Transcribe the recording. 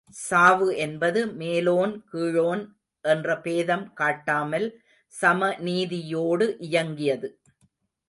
சாவு என்பது மேலோன் கீழோன் என்ற பேதம் காட்டாமல் சம நீதியோடு இயங்கியது.